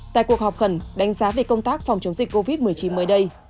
tại cuộc họp khẩn đánh giá về công tác phòng chống dịch covid một mươi chín mới đây